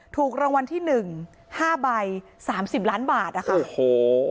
ถูกรางวัลที่หนึ่ง๕ใบ๓๐ล้านบาทนะคะโอ้โห